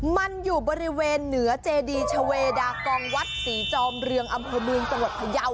มันอยู่บริเวณเหนือเจดีย์ชเวดากองวัดศรีจอมเรืองอัมเวิร์งของวัดพระยาว